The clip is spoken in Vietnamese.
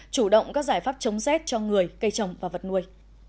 chủ động các giải pháp chống rét cho người cây trồng và vật nuôi